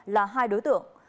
là hai đối tượng